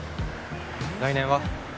来年は？